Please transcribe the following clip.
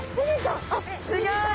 すギョい！